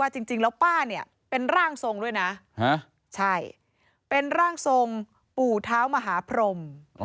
จริงเป็นร่างปู่เท้ามหาพรม